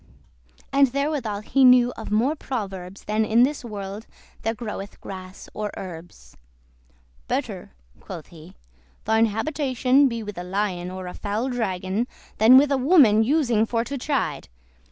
And therewithal he knew of more proverbs, Than in this world there groweth grass or herbs. "Better (quoth he) thine habitation Be with a lion, or a foul dragon, Than with a woman using for to chide.